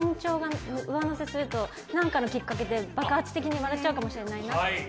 その緊張が上乗せすると何かのきっかけで爆発的に笑っちゃうかもしれないなって。